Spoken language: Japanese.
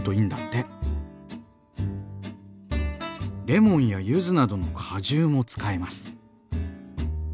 レモンやゆずなどの果汁も使えます。